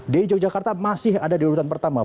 di yogyakarta masih ada di urutan pertama